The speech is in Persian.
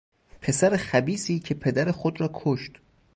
پسر خبیثی که پدر خود را کشت